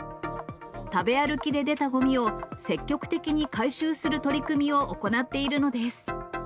食べ歩きで出たごみを積極的に回収する取り組みを行っているのです。